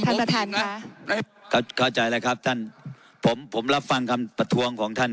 ท่านประธานค่ะเข้าใจแล้วครับท่านผมผมรับฟังคำประท้วงของท่าน